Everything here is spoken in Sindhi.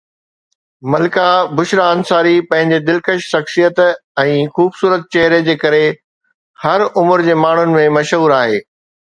ملڪه بشرا انصاري پنهنجي دلڪش شخصيت ۽ خوبصورت چهري جي ڪري هر عمر جي ماڻهن ۾ مشهور آهي